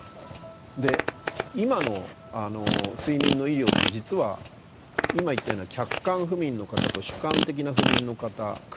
で今の睡眠の医療って実は今言ったような客観不眠の方と主観的な不眠の方区別しません。